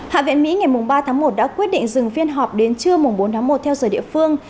hạ viện mỹ ngày ba tháng một đã quyết định dừng phiên họp đến trưa bốn tháng một theo giờ địa phương